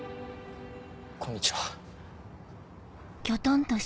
こんにちは。